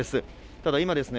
ただいまですね